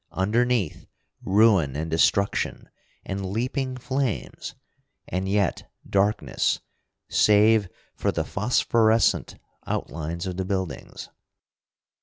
Underneath, ruin and destruction, and leaping flames and yet darkness, save for the phosphorescent outlines of the buildings.